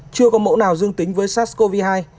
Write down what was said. chưa có mẫu nào dương tính với sars cov hai